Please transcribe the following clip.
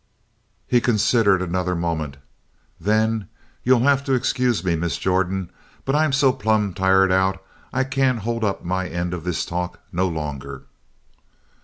He considered another moment. Then: "You'll have to excuse me, Miss Jordan. But I'm so plumb tired out I can't hold up my end of this talk no longer!"